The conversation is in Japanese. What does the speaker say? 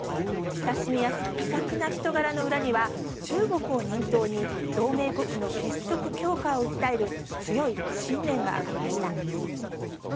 親しみやすく、気さくな人柄の裏には、中国を念頭に同盟国の結束強化を訴える、強い信念がありました。